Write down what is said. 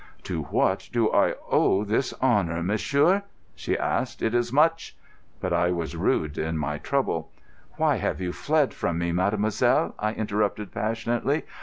"To what do I owe this honour, monsieur?" she asked. "It is much——" But I was rude in my trouble. "Why have you fled from me, mademoiselle?" I interrupted passionately.